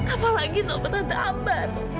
apalagi sama tante ambar